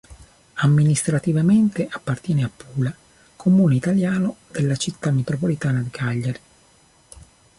Amministrativamente appartiene a Pula, comune italiano della città metropolitana di Cagliari.